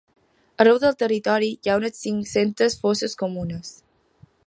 Arreu del territori hi ha unes cinc-centes fosses comunes.